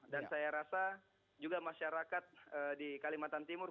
dan saya rasa juga masyarakat di kalimantan timur